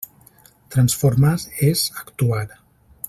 Transformar és actuar.